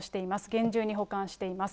厳重に保管しています。